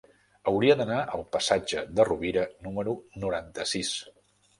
Hauria d'anar al passatge de Rovira número noranta-sis.